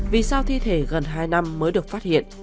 vì sao thi thể gần hai năm mới được phát hiện